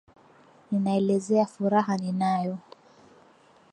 Ninaelezea furaha ninayo.